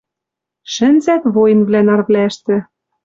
Шӹнзӓт воинвлӓ нарвлӓштӹ.